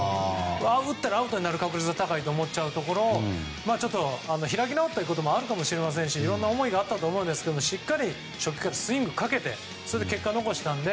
打ったらアウトになる確率が高いと思っちゃうところを開き直りもあるかもしれませんしいろいろな思いがあったと思うんですがしっかりスイングかけてそれで結果を残したので。